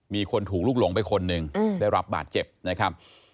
มีคนถูกลุกหลงไปคนหนึ่งได้รับบาดเจ็บนะครับ